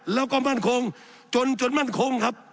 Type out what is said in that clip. แล้วก็มั่นคงจนจนมั่นคงครับ